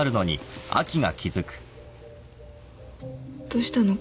どうしたの？